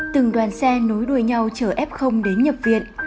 từng đoàn xe nối đuôi nhau chở f đến nhập viện